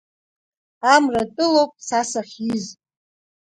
Амра атәылоуп са сахьиз!